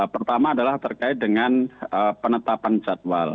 pertama adalah terkait dengan penetapan jadwal